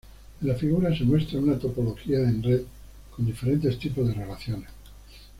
En la figura se muestra una topología de red con diferentes tipos de relaciones.